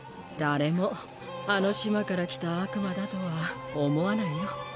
誰もあの島から来た悪魔だとは思わないよ。